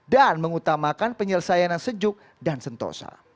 dan mengutamakan penyelesaian yang sejuk dan sentosa